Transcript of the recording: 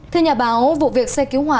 thưa nhà báo vụ việc xe cứu hỏa